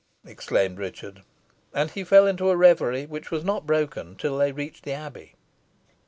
exclaimed Richard. And he fell into a reverie which was not broken till they reached the Abbey.